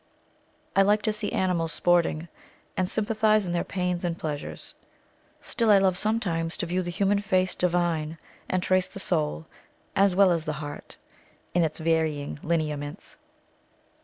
I like to see animals sporting, and sympathise in their pains and pleasures. Still I love sometimes to view the human face divine, and trace the soul, as well as the heart, in its varying lineaments.